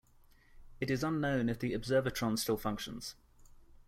It is unknown if the Observatron still functions.